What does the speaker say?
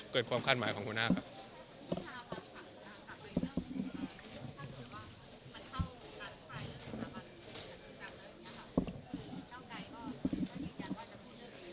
ความคาดหมายของหัวหน้าครับ